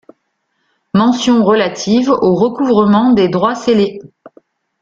Mentions relatives au recouvrement des droits celés.